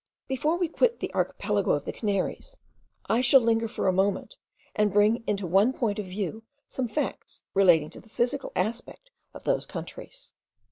Before we quit the archipelago of the Canaries, I shall linger for a moment, and bring into one point of view some facts relating to the physical aspect of those countries.